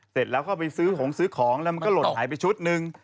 เสร็จแล้วก็ไปซื้อของซื้อของแล้วมันก็หล่นหายไปชุดหนึ่ง